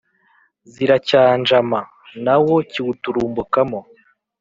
ziracyanjama; na wo kiwuturumbukamo,